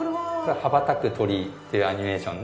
「羽ばたく鳥」っていうアニメーションで。